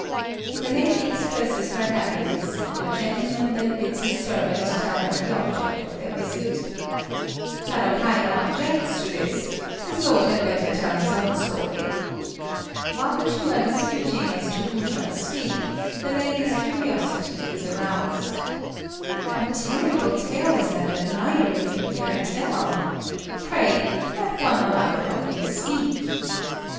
The lady expresses her happiness, and the gentleman then bids his servant tell her the object of their visit. Tarôkaja objects to this; his lord had better tell his own story. While the two are disputing as to who shall speak, the lady's curiosity is aroused. "What terrible tale is this that neither of you dare tell? Pray let one or other of you speak."